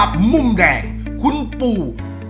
มาชิงจากมุ่มแดงคุณปู